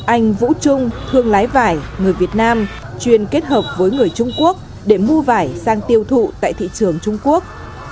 anh vũ trung thương lái vải người việt nam chuyên kết hợp với người trung quốc để mua vải sang tiêu thụ tại thị trường trung quốc